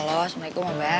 halo assalamualaikum abah